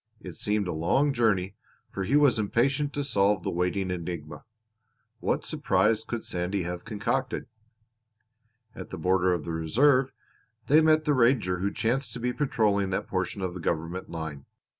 It seemed a long journey for he was impatient to solve the waiting enigma. What surprise could Sandy have concocted? At the border of the Reserve they met the ranger who chanced to be patrolling that portion of the government line.